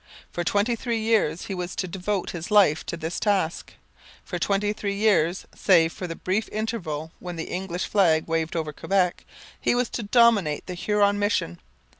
For twenty three years he was to devote his life to this task; for twenty three years, save for the brief interval when the English flag waved over Quebec, he was to dominate the Huron mission.